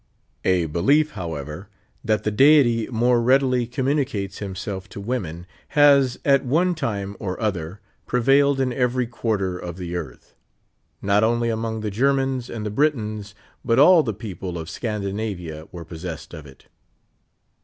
A belief, however, that the Deity more readil}^ communi cates himself to women, has at one time or other prevailed in ever}' quarter of the earth ; not only among the Ger mans and the Britons, ])ut all the people of Scandinavia were possessed of it.